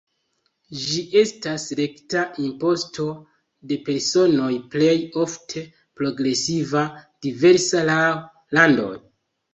Ĝi estas rekta imposto de personoj, plej ofte progresiva, diversa laŭ landoj.